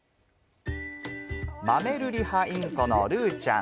マメルリハインコのルーちゃん。